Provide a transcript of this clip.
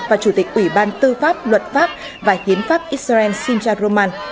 và chủ tịch ủy ban tư pháp luật pháp và hiến pháp israel sinjaroman